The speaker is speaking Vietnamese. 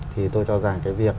thì tôi cho rằng cái việc